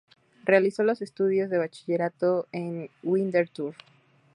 Realizó los estudios de bachillerato en Winterthur.